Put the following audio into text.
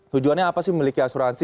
tujuannya apa sih memiliki asuransi